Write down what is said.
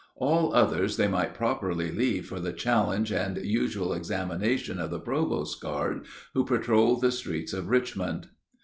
All others they might properly leave for the challenge and usual examination of the provost guard who patrolled the streets of Richmond.